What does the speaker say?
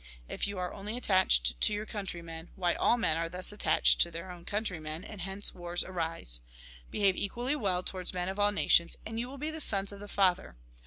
If you are only attached to your countrymen, why, all men are thus attached to their own countrymen, and hence wars arise. Behave equally well towards men of all nations, and you will be the sons of the Father.